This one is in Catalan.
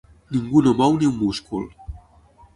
Ningú no mou ni un múscul.